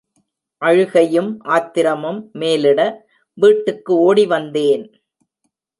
அழுகையும் ஆத்திரமும் மேலிட வீட்டுக்கு ஒடி வந்தேன்.